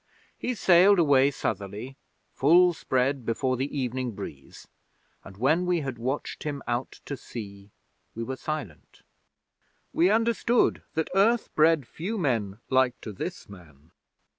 He sailed away southerly, full spread before the evening breeze, and when we had watched him out to sea, we were silent. We understood that Earth bred few men like to this man.